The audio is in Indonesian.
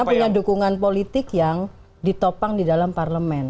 karena punya dukungan politik yang ditopang di dalam parlemen